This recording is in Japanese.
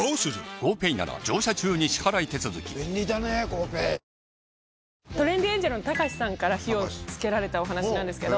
この後トレンディエンジェルのたかしさんから火をつけられたお話なんですけど。